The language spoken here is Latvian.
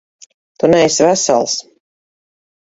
Tu neesi vesels.